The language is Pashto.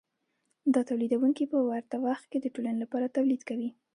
دا تولیدونکي په ورته وخت کې د ټولنې لپاره تولید کوي